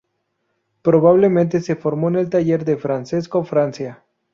Probablemente se formó en el taller de Francesco Francia.